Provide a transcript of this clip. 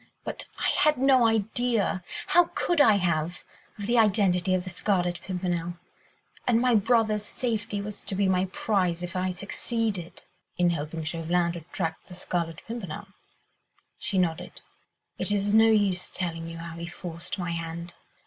But I had no idea—how could I have?—of the identity of the Scarlet Pimpernel ... and my brother's safety was to be my prize if I succeeded." "In helping Chauvelin to track the Scarlet Pimpernel?" She nodded. "It is no use telling you how he forced my hand.